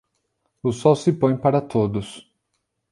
O sol se põe para todos.